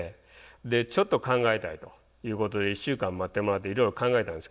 でちょっと考えたいということで１週間待ってもらっていろいろ考えたんですけど。